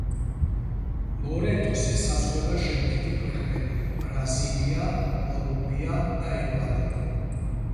ლორეტოს ესაზღვრება შემდეგი ქვეყნები: ბრაზილია, კოლუმბია და ეკვადორი.